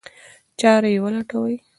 چاره یې ولټوي.